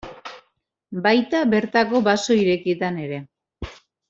Baita bertako baso irekietan ere.